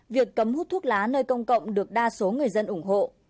việc cấm hút thuốc lá nơi công cộng được đa số người dân ủng hộ